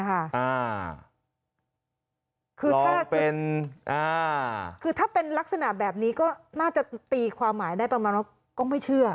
คือถ้าเป็นคือถ้าเป็นลักษณะแบบนี้ก็น่าจะตีความหมายได้ประมาณว่าก็ไม่เชื่อ